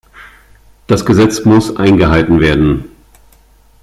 Das Gesetz muss eingehalten werden.